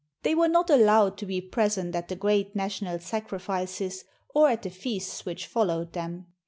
They were not allowed to be present at the great national sacrifices or at the feasts which followed them.